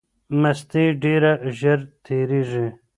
مستي ډیره ژر تېریږي.